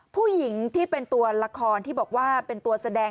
ผู้หญิงที่เป็นตัวละครที่บอกว่าเป็นตัวแสดง